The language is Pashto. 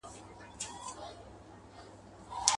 ما په سترګو خر لیدلی پر منبر دی.